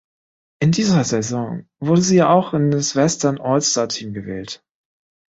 In dieser Saison wurde sie auch in das Western All-Star Team gewählt.